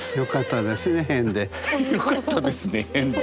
よかったですね変で。